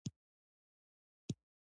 بادام د افغانانو د فرهنګي پیژندنې برخه ده.